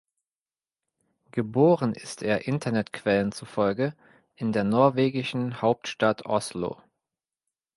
Geboren ist er Internetquellen zufolge in der norwegischen Hauptstadt Oslo.